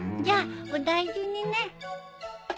じゃあお大事にね。